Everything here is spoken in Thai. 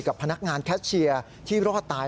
พนักงานแคชเชียร์ที่รอดตาย